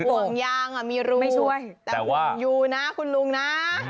ห่วงยางมีรูช่วยแต่ห่วงอยู่นะคุณลุงนะ